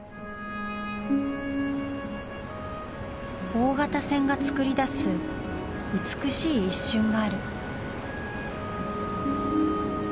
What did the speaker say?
大型船がつくり出す美しい一瞬がある。